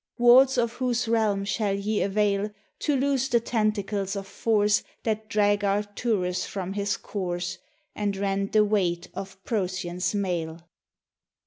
Wards of Whose realm shall ye avail To loose the tentacles of force That drag Arcturus from his course, And rend the weight of Procyon's mail?